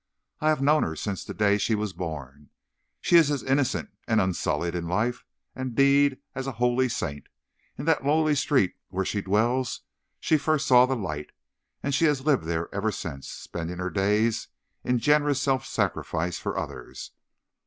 I have known her since the day she was born; she is as innocent and unsullied in life and deed as a holy saint. In that lowly street where she dwells she first saw the light, and she has lived there ever since, spending her days in generous self sacrifice for others.